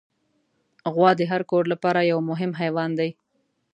غوا د هر کور لپاره یو مهم حیوان دی.